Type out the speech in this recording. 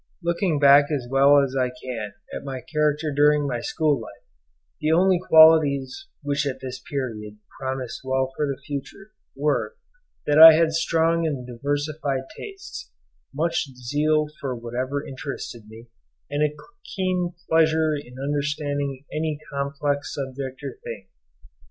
Looking back as well as I can at my character during my school life, the only qualities which at this period promised well for the future, were, that I had strong and diversified tastes, much zeal for whatever interested me, and a keen pleasure in understanding any complex subject or thing.